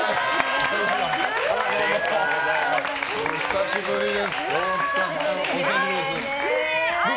お久しぶりです。